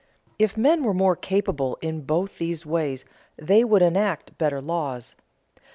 If men were more capable in both these ways they would enact better laws.